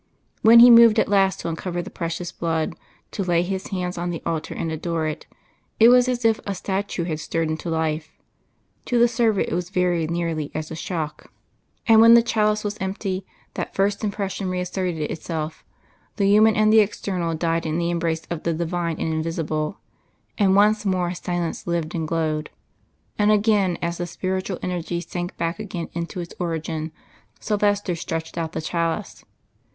When He moved at last to uncover the Precious Blood, to lay His hands on the altar and adore, it was as if a statue had stirred into life; to the server it was very nearly as a shock. Again, when the chalice was empty, that first impression reasserted itself; the human and the external died in the embrace of the Divine and Invisible, and once more silence lived and glowed.... And again as the spiritual energy sank back again into its origin, Silvester stretched out the chalice.